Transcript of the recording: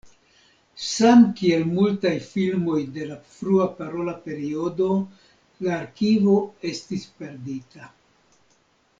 Samkiel multaj filmoj de la frua parola periodo, la arkivo estis perdita.